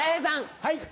はい。